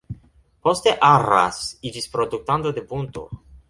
Poste Arras iĝis produktanto de punto.